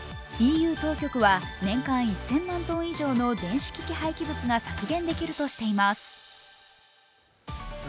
ＥＵ当局は年間１０００万トン以上の電子機器廃棄物が削減できるとしています。